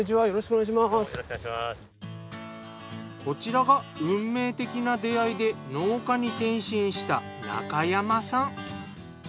こちらが運命的な出会いで農家に転身した中山さん。